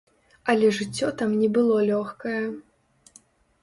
Але жыццё там не было лёгкае.